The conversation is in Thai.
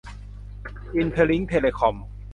อินเตอร์ลิ้งค์ เทเลคอม